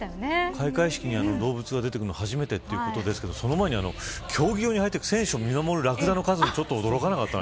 開会式に動物が出てくるの初めてということですけれどその前に、競技場に入っていく選手を見守るラクダもちょっと驚かなかった。